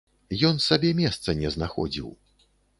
Ён сабе месца не знаходзіў.